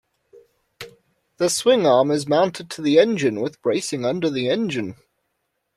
The swingarm is mounted to the engine with bracing under the engine.